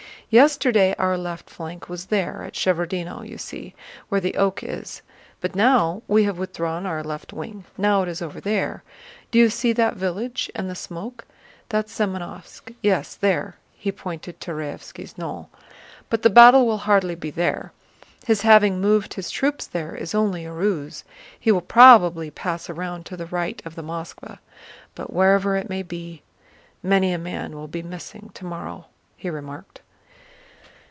Yesterday our left flank was there at Shevárdino, you see, where the oak is, but now we have withdrawn our left wing—now it is over there, do you see that village and the smoke? That's Semënovsk, yes, there," he pointed to Raévski's knoll. "But the battle will hardly be there. His having moved his troops there is only a ruse; he will probably pass round to the right of the Moskvá. But wherever it may be, many a man will be missing tomorrow!" he remarked.